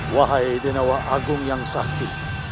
wahai denawa agung yang sakti